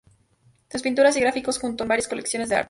Sus pinturas y gráficos juntos en varias colecciones de arte.